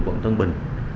quận tân bình